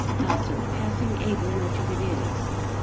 How surpassing able much of it is!